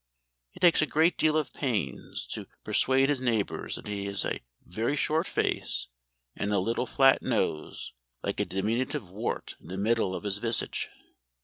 He takes a great deal of pains to persuade his neighbours that he has a very short face, and a little flat nose like a diminutive wart in the middle of his visage....